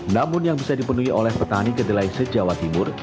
namun yang bisa dipenuhi oleh petani kedelai se jawa timur